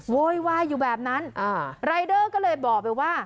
โวยวายอยู่แบบนั้นรายเดอร์ก็เลยบอกไปว่า